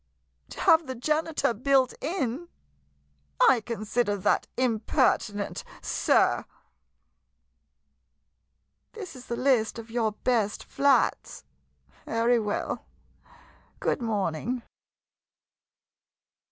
To have the janitor built in! I consider that impertinent — sir! This is the list of your best flats? Very well — good morning.